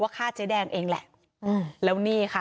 ฆ่าเจ๊แดงเองแหละอืมแล้วนี่ค่ะ